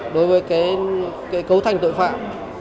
đối với cấu thành tội phạm